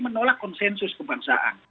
menolak konsensus kebangsaan